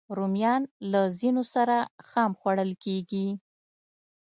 رومیان له ځینو سره خام خوړل کېږي